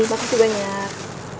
terima kasih banyak